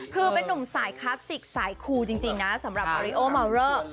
คือเป็นนุ่มสายคลาสสิกสายครูจริงนะสำหรับมาริโอเมาเลอร์